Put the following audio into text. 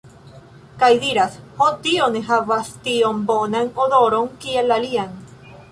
Kaj diras, ho tio ne havas tiom bonan odoron kiel la alian